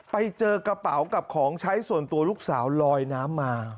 ไปเจอกระเป๋ากับของใช้ส่วนตัวลูกสาวลอยน้ำมา